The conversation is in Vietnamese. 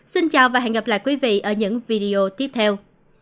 xin chào và hẹn gặp lại quý vị ở những video tiếp theo